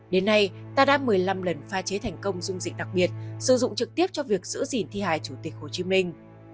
đến nay ta đã một mươi năm lần pha chế thành công dung dịch đặc biệt sử dụng trực tiếp cho việc giữ gìn thi hài chủ tịch hồ chí minh